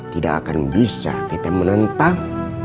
tidak akan bisa kita menentang